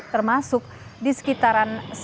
termasuk di sekitaran sasak besi